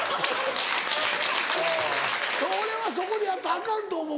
俺はそこでやったらアカンと思うで。